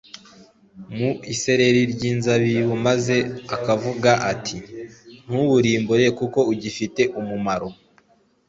“mu iseri ry’inzabibu”, maze akavuga ati, ” Ntuwurimbure kuko ugifite umumaro